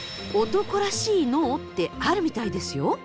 男らしい脳ってあるみたいですよ。